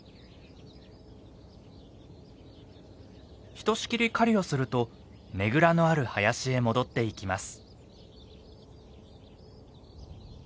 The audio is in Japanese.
ひとしきり狩りをするとねぐらのある林へ戻っていきます。